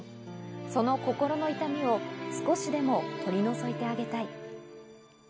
その心の痛みを少しでも取り除いてあげたい。